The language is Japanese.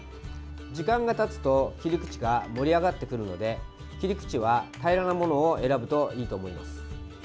時間がたつと切り口が盛り上がってくるので切り口は平らなものを選ぶといいと思います。